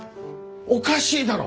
おかしいだろ！？